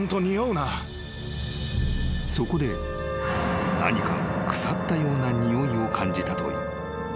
［そこで何かが腐ったようなにおいを感じたという］